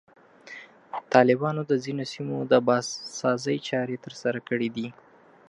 طالبانو د ځینو سیمو د بازسازي چارې ترسره کړي دي.